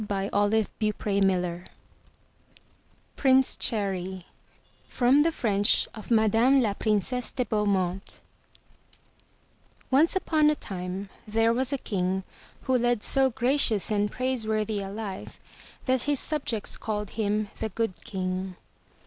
325 MY BOOK HOUSE PRINCE CHERRY From the French of Madame La Princesse De Beaumont |NCE upon a time there was a King who led so gracious and praiseworthy a life that his subjects called him the Good King.